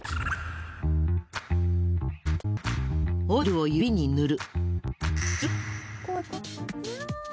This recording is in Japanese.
オイルを指に塗る。